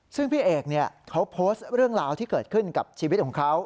ซึ่งพี่เอกเขาโพสต์เรื่องราวที่เกิดขึ้นกับชีวิตของเขา